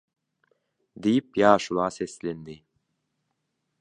diýip ýaşula seslendi.